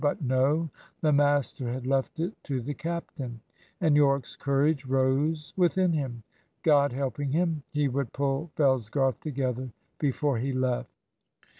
But no, the master had left it to the captain, and Yorke's courage rose within him. God helping him, he would pull Fellsgarth together before he left.